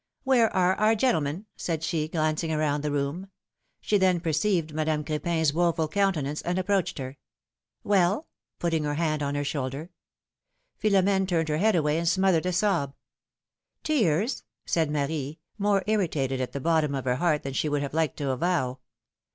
Where are our gentlemen?'^ said she, glancing around the room. She then perceived Madame Cr^pin's woful countenance, and approached her. Well?'^ putting her hand on her shoulder. Philom^ne turned away her head and smothered a sob ! Tears said Marie, more irritated at the bottom of her heart than she would have liked to avow.